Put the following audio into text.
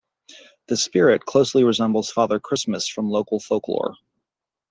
The Spirit closely resembles Father Christmas from local folklore.